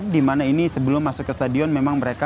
di mana ini sebelum masuk ke stadion memang mereka